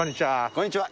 こんにちは。